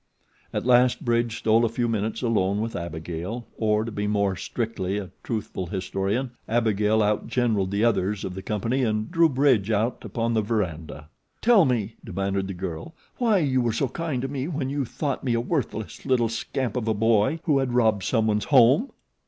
At last Bridge stole a few minutes alone with Abigail, or, to be more strictly a truthful historian, Abigail outgeneraled the others of the company and drew Bridge out upon the veranda. "Tell me," demanded the girl, "why you were so kind to me when you thought me a worthless little scamp of a boy who had robbed some one's home."